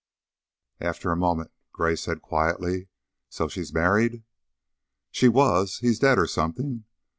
After a moment Gray said, quietly, "So, she's married?" "She was. He's dead, or something.